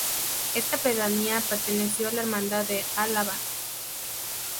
Esta pedanía perteneció a la Hermandad de Álava.